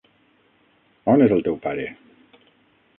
On és el teu pare?